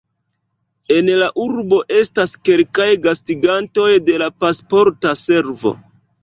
En la urbo estas kelkaj gastigantoj de la Pasporta Servo.